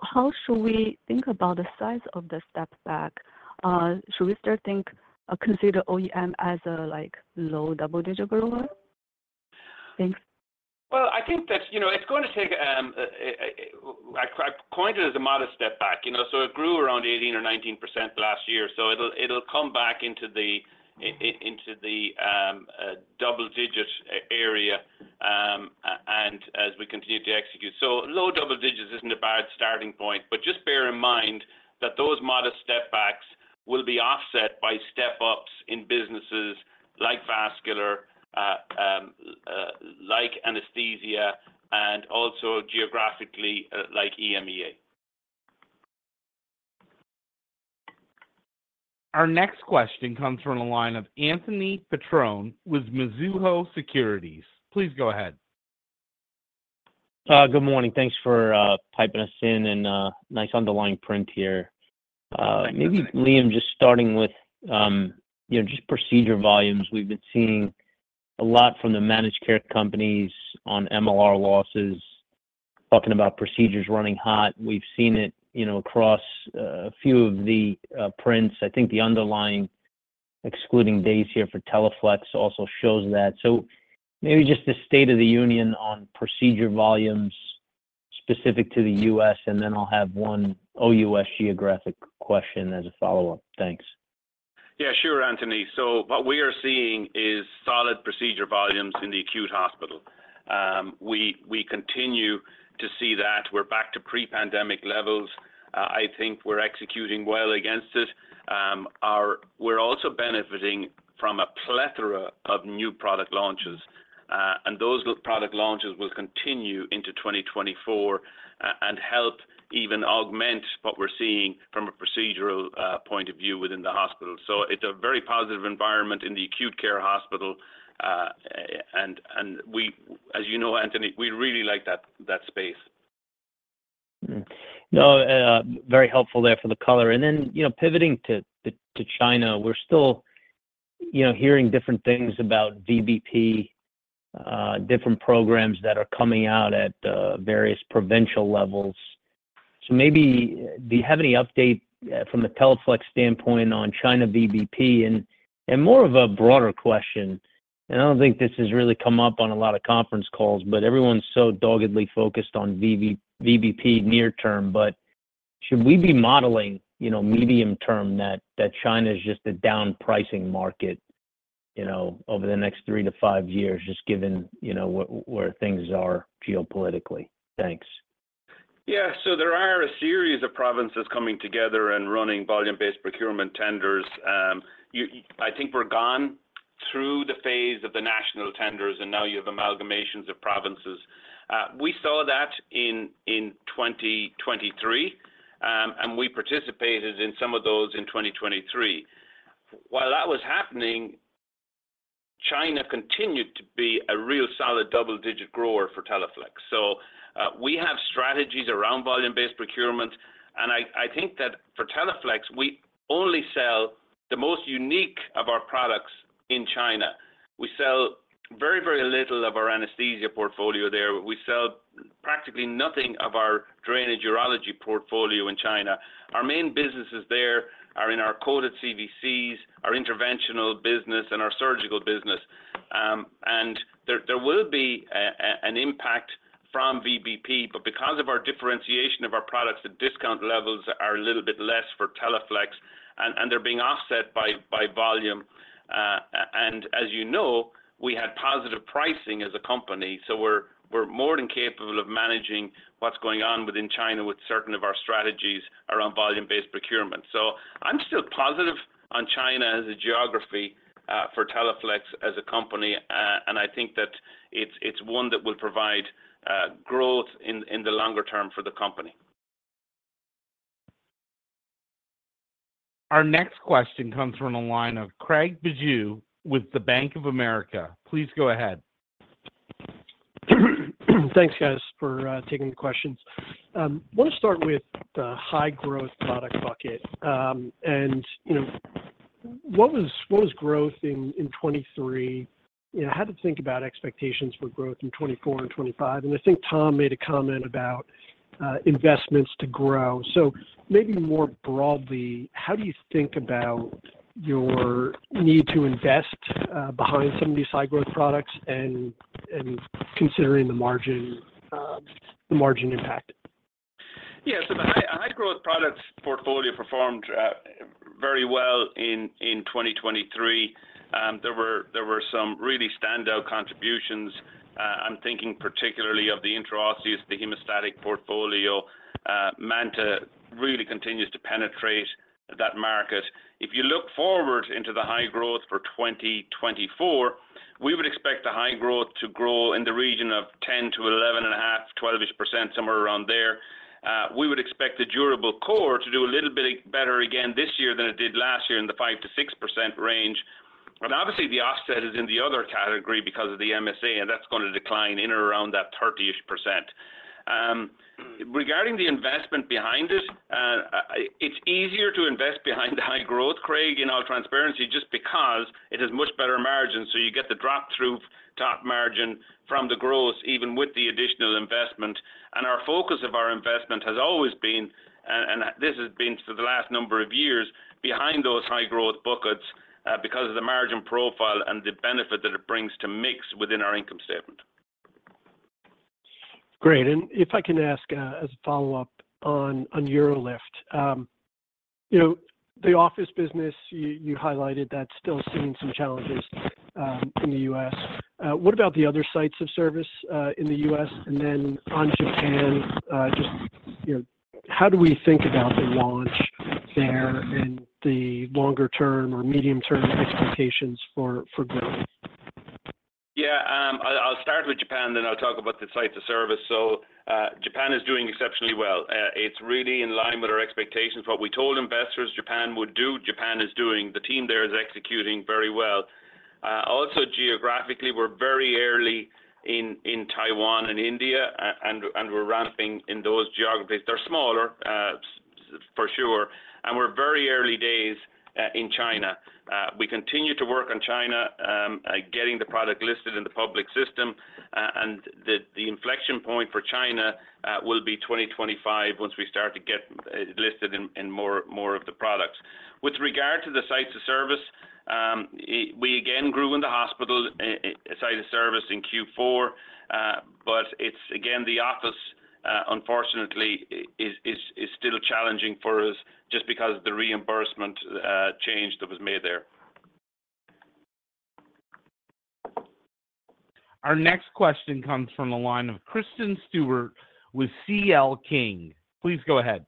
How should we think about the size of the step back? Should we consider OEM as a low double-digit grower? Thanks. Well, I think that it's going to take, I coined it as, a modest step back. So it grew around 18% or 19% last year. So it'll come back into the double-digit area as we continue to execute. So low double digits isn't a bad starting point, but just bear in mind that those modest stepbacks will be offset by step-ups in businesses like vascular, like anesthesia, and also geographically like EMEA. Our next question comes from a line of Anthony Petrone with Mizuho Securities. Please go ahead. Good morning. Thanks for piping us in and nice underlying print here. Maybe, Liam, just starting with just procedure volumes. We've been seeing a lot from the managed care companies on MLR losses, talking about procedures running hot. We've seen it across a few of the prints. I think the underlying excluding days here for Teleflex also shows that. So maybe just the state of the union on procedure volumes specific to the U.S., and then I'll have one OUS geographic question as a follow-up. Thanks. Yeah. Sure, Anthony. So what we are seeing is solid procedure volumes in the acute hospital. We continue to see that. We're back to pre-pandemic levels. I think we're executing well against it. We're also benefiting from a plethora of new product launches. And those product launches will continue into 2024 and help even augment what we're seeing from a procedural point of view within the hospital. So it's a very positive environment in the acute care hospital. And as you know, Anthony, we really like that space. No, very helpful there for the color. And then pivoting to China, we're still hearing different things about VBP, different programs that are coming out at various provincial levels. So maybe do you have any update from the Teleflex standpoint on China VBP? And more of a broader question. And I don't think this has really come up on a lot of conference calls, but everyone's so doggedly focused on VBP near-term. But should we be modeling medium-term that China is just a down-pricing market over the next three to five years, just given where things are geopolitically? Thanks. Yeah. So there are a series of provinces coming together and running volume-based procurement tenders. I think we're gone through the phase of the national tenders, and now you have amalgamations of provinces. We saw that in 2023, and we participated in some of those in 2023. While that was happening, China continued to be a real solid double-digit grower for Teleflex. So we have strategies around volume-based procurement. And I think that for Teleflex, we only sell the most unique of our products in China. We sell very, very little of our anesthesia portfolio there. We sell practically nothing of our drainage urology portfolio in China. Our main businesses there are in our coated CVCs, our interventional business, and our surgical business. There will be an impact from VBP, but because of our differentiation of our products, the discount levels are a little bit less for Teleflex, and they're being offset by volume. As you know, we had positive pricing as a company, so we're more than capable of managing what's going on within China with certain of our strategies around volume-based procurement. I'm still positive on China as a geography for Teleflex as a company, and I think that it's one that will provide growth in the longer term for the company. Our next question comes from a line of Craig Bijou with the Bank of America. Please go ahead. Thanks, guys, for taking the questions. I want to start with the high-growth product bucket. What was growth in 2023? How to think about expectations for growth in 2024 and 2025? I think Tom made a comment about investments to grow. Maybe more broadly, how do you think about your need to invest behind some of these high-growth products and considering the margin impact? Yeah. So the high-growth products portfolio performed very well in 2023. There were some really standout contributions. I'm thinking particularly of the intraosseous, the hemostatic portfolio. MANTA really continues to penetrate that market. If you look forward into the high growth for 2024, we would expect the high growth to grow in the region of 10% to 11.5%, 12%-ish, somewhere around there. We would expect the durable core to do a little bit better again this year than it did last year in the 5%-6% range. And obviously, the offset is in the other category because of the MSA, and that's going to decline in or around that 30%-ish. Regarding the investment behind it, it's easier to invest behind the high growth, Craig, in all transparency just because it has much better margins. You get the drop-through top margin from the growth even with the additional investment. Our focus of our investment has always been - and this has been for the last number of years - behind those high-growth buckets because of the margin profile and the benefit that it brings to mix within our income statement. Great. And if I can ask as a follow-up on UroLift, the office business, you highlighted that's still seeing some challenges in the U.S. What about the other sites of service in the U.S.? And then on Japan, just how do we think about the launch there and the longer-term or medium-term expectations for growth? Yeah. I'll start with Japan, then I'll talk about the sites of service. So Japan is doing exceptionally well. It's really in line with our expectations. What we told investors Japan would do, Japan is doing. The team there is executing very well. Also, geographically, we're very early in Taiwan and India, and we're ramping in those geographies. They're smaller, for sure. And we're very early days in China. We continue to work on China, getting the product listed in the public system. And the inflection point for China will be 2025 once we start to get it listed in more of the products. With regard to the sites of service, we again grew in the hospital site of service in Q4, but again, the office, unfortunately, is still challenging for us just because of the reimbursement change that was made there. Our next question comes from a line of Kristen Stewart with CL King. Please go ahead.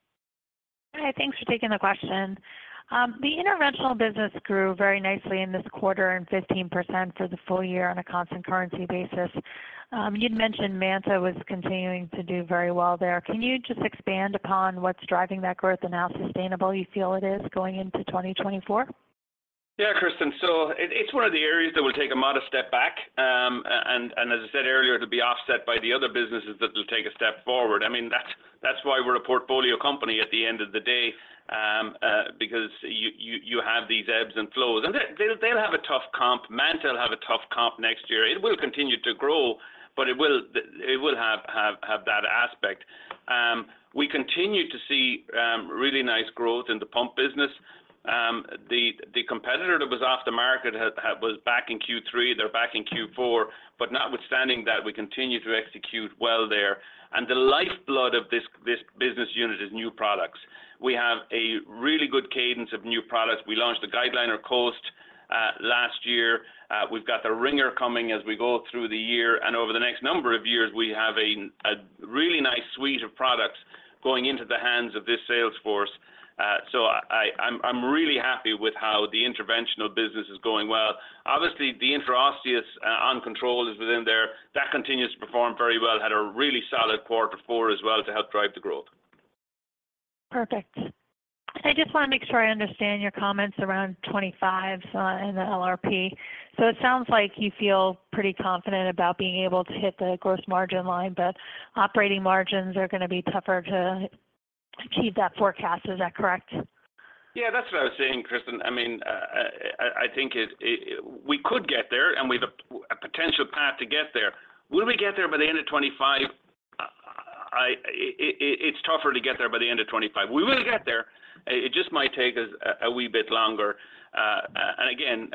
Hi. Thanks for taking the question. The interventional business grew very nicely in this quarter and 15% for the full year on a constant currency basis. You'd mentioned MANTA was continuing to do very well there. Can you just expand upon what's driving that growth and how sustainable you feel it is going into 2024? Yeah, Kristen. So it's one of the areas that will take a modest step back. And as I said earlier, it'll be offset by the other businesses that'll take a step forward. I mean, that's why we're a portfolio company at the end of the day because you have these ebbs and flows. And they'll have a tough comp. MANTA will have a tough comp next year. It will continue to grow, but it will have that aspect. We continue to see really nice growth in the pump business. The competitor that was off the market was back in Q3. They're back in Q4, but notwithstanding that, we continue to execute well there. And the lifeblood of this business unit is new products. We have a really good cadence of new products. We launched the GuideLiner Coast last year. We've got the Ringer coming as we go through the year. Over the next number of years, we have a really nice suite of products going into the hands of this salesforce. I'm really happy with how the interventional business is going well. Obviously, the intraosseous OnControl is within there. That continues to perform very well, had a really solid quarter four as well to help drive the growth. Perfect. I just want to make sure I understand your comments around 2025 and the LRP. So it sounds like you feel pretty confident about being able to hit the gross margin line, but operating margins are going to be tougher to achieve that forecast. Is that correct? Yeah. That's what I was saying, Kristen. I mean, I think we could get there, and we have a potential path to get there. Will we get there by the end of 2025? It's tougher to get there by the end of 2025. We will get there. It just might take us a wee bit longer. And again,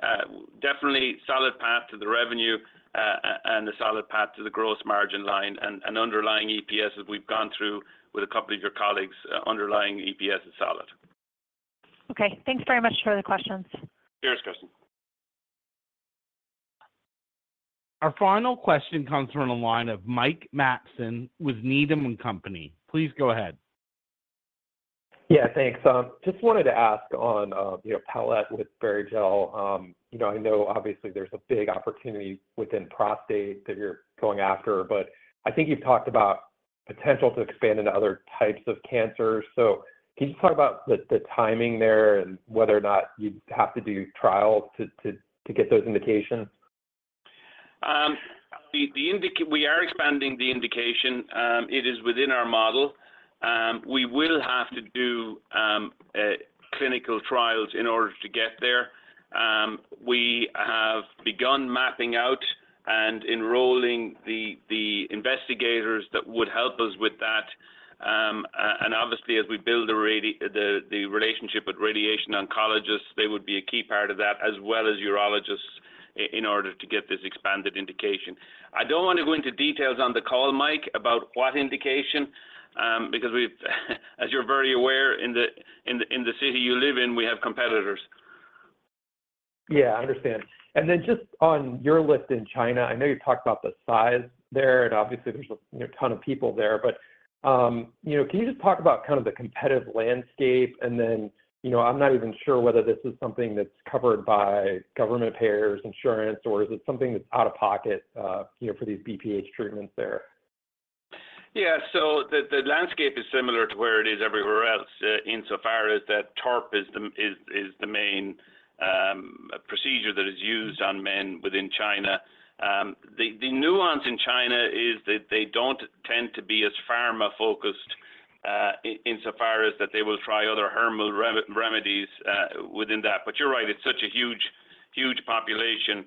definitely solid path to the revenue and a solid path to the gross margin line. And underlying EPS that we've gone through with a couple of your colleagues, underlying EPS is solid. Okay. Thanks very much for the questions. Cheers, Kristen. Our final question comes from a line of Mike Matson with Needham & Company. Please go ahead. Yeah. Thanks. Just wanted to ask on Palette with Barrigel. I know, obviously, there's a big opportunity within prostate that you're going after, but I think you've talked about potential to expand into other types of cancers. So can you just talk about the timing there and whether or not you'd have to do trials to get those indications? We are expanding the indication. It is within our model. We will have to do clinical trials in order to get there. We have begun mapping out and enrolling the investigators that would help us with that. Obviously, as we build the relationship with radiation oncologists, they would be a key part of that as well as urologists in order to get this expanded indication. I don't want to go into details on the call, Mike, about what indication because, as you're very aware, in the city you live in, we have competitors. Yeah. I understand. And then just on UroLift in China, I know you've talked about the size there, and obviously, there's a ton of people there. But can you just talk about kind of the competitive landscape? And then I'm not even sure whether this is something that's covered by government payers, insurance, or is it something that's out-of-pocket for these BPH treatments there? Yeah. So the landscape is similar to where it is everywhere else insofar as that TURP is the main procedure that is used on men within China. The nuance in China is that they don't tend to be as pharma-focused insofar as that they will try other herbal remedies within that. But you're right. It's such a huge population.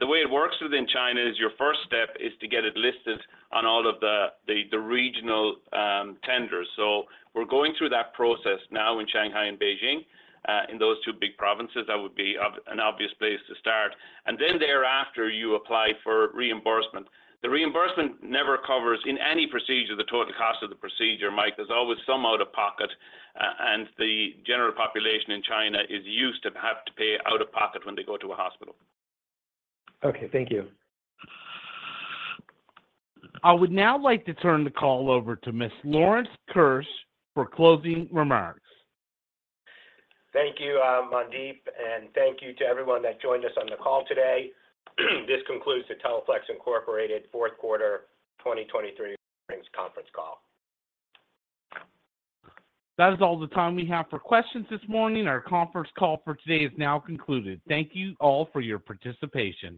The way it works within China is your first step is to get it listed on all of the regional tenders. So we're going through that process now in Shanghai and Beijing. In those two big provinces, that would be an obvious place to start. And then thereafter, you apply for reimbursement. The reimbursement never covers, in any procedure, the total cost of the procedure, Mike. There's always some out-of-pocket, and the general population in China is used to have to pay out-of-pocket when they go to a hospital. Okay. Thank you. I would now like to turn the call over to Mr. Lawrence Keusch for closing remarks. Thank you, Mandeep, and thank you to everyone that joined us on the call today. This concludes the Teleflex Incorporated fourth quarter 2023 earnings conference call. That is all the time we have for questions this morning. Our conference call for today is now concluded. Thank you all for your participation.